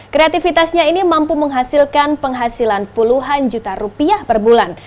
kreativitasnya ini mampu menghasilkan penghasilan puluhan juta rupiah per bulan